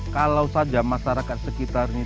kalau saja masyarakat sekitarnya